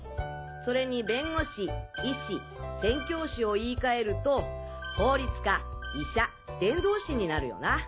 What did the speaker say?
それに弁護士医師宣教師を言い換えると法律家医者伝道師になるよな。